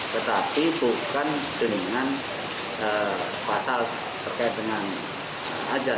tetapi bukan jenis pasal terkait dengan azan